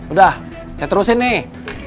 udah saya terusin nih